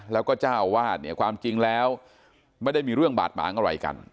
แล้วก็เจ้าอาวาสเนี่ยความจริงแล้วไม่ได้มีเรื่องบาดหมางอะไรกัน